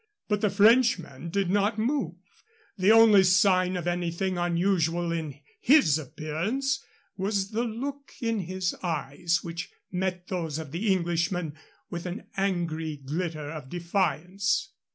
But the Frenchman did not move. The only sign of anything unusual in his appearance was the look in his eyes, which met those of the Englishman with an angry glitter of defiance.